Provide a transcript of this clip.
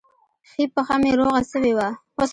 ښۍ پښه مې روغه سوې وه.